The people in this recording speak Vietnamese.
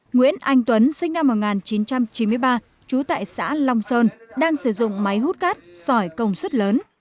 nguyễn anh tuấn sinh năm một nghìn chín trăm chín mươi ba trú tại xã long sơn đang sử dụng máy hút cát sỏi công suất lớn